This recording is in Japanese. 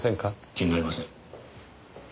気になりません。